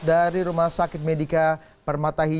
dari rumah sakit medica